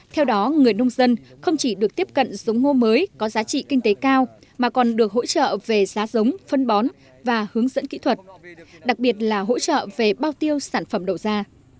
theo đó người nông dân không chỉ được tiếp cận giống ngô mới có giá trị kinh tế cao mà còn được hỗ trợ về giá giống phân bón và hướng dẫn kỹ thuật đặc biệt là hỗ trợ về bao tiêu sản phẩm đầu ra